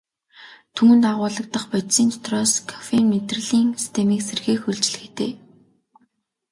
Түүнд агуулагдах бодисын дотроос кофеин мэдрэлийн системийг сэргээх үйлчилгээтэй.